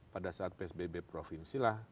pada saat psbb provinsi lah